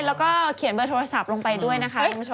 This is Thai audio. แล้วก็เขียนเบอร์โทรศัพท์ลงไปด้วยนะคะคุณผู้ชม